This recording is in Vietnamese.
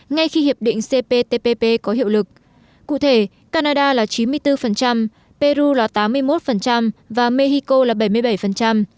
ngay khi hiệp định cptpp có hiệu lực cụ thể canada là chín mươi bốn peru là tám mươi một và mexico là bảy mươi bảy